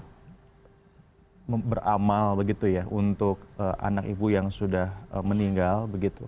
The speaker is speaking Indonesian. saya beramal untuk anak ibu yang sudah meninggal